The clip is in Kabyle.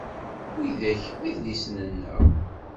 Widak d idlisen-nneɣ.